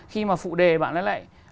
khi mà phụ đề bạn lại